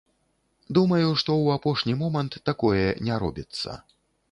Думаю, што ў апошні момант такое не робіцца.